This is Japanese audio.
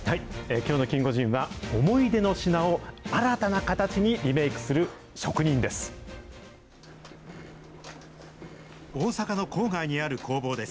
きょうのキンゴジンは、思い出の品を新たな形にリメイクする職人です。